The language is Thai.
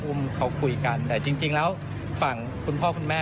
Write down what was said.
อยู่ของเขาน่ะมันเยอะมากนะ